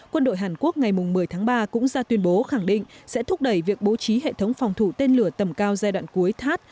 quân đội hàn quốc ngày một mươi tháng ba cũng ra tuyên bố khẳng định sẽ thúc đẩy việc bố trí hệ thống phòng thủ tên lửa tầm cao giai đoạn cuối thắt